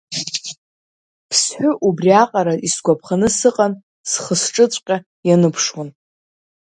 Ԥсҳәы убри аҟара исгәаԥханы сыҟан схы-сҿыҵәҟьа ианыԥшуан.